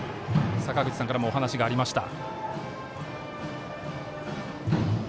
坂口さんからもお話がありました。